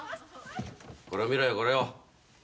これを見ろよこれを。